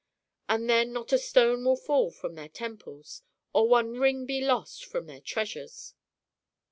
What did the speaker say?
And then not a stone will fall from their temples, or one ring be lost from their treasures.